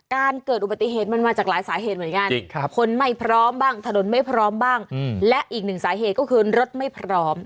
การเกิดอุบัติเหตุมันมาจากหลายสาเหตุเหมือนกันคนไม่พร้อมบ้างถนนไม่พร้อมบ้างและอีกหนึ่งสาเหตุก็คือรถไม่พร้อม